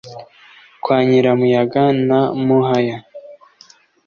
kwa nyiramuyaga na muhaya